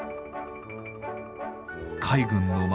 海軍の街